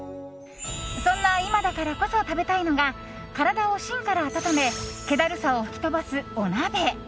そんな今だからこそ食べたいのが体を芯から温め気だるさを吹き飛ばす、お鍋。